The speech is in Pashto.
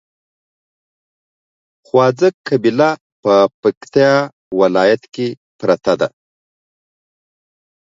خواځک قبيله په پکتیا ولايت کې پراته دي